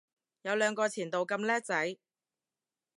有兩個前度咁叻仔